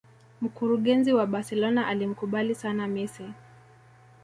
Mkurugenzi wa Barcelona alimkubali sana Messi